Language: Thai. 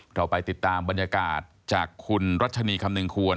เราไปติดตามบรรยากาศจากคุณรัชนีคำนึงควร